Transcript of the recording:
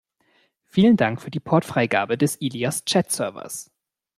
Vielen Dank für die Portfreigabe des Ilias Chat-Servers!